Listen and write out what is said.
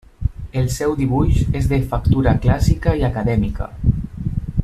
El seu dibuix és de factura clàssica i acadèmica.